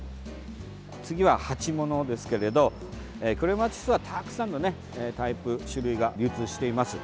次は、鉢物ですけれどクレマチスは、たくさんのタイプ、種類が流通しています。